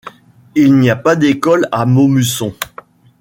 Il n'y a pas d'école à Maumusson.